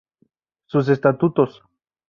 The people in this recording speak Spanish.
Sus Estatutos.